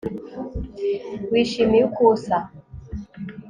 Wishimiye uko usa